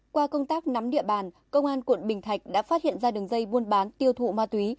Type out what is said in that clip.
qua công tác nắm địa bàn công an quận bình thạnh đã phát hiện ra đường dây buôn bán tiêu thụ ma túy